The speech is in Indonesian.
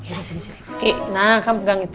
sini sini sini kiki nah kamu pegang itu